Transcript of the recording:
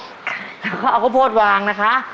แล้วก็เอาข้าวโพดวางนะคะ